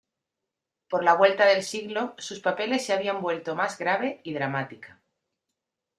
Por la vuelta del siglo, sus papeles se habían vuelto más grave y dramática.